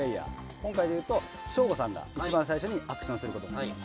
今回でいうと省吾さんが一番最初にアクションすることになります。